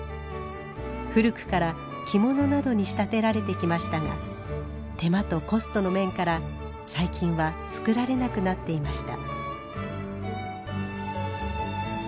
古くから着物などに仕立てられてきましたが手間とコストの面から最近は作られなくなっていました。